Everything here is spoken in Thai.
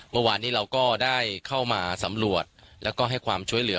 เมื่อวานนี้เราก็ได้เข้ามาสำรวจแล้วก็ให้ความช่วยเหลือ